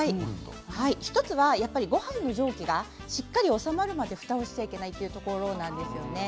１つは、ごはんの蒸気がしっかり収まるまでふたをしてはいけないというところなんですよね。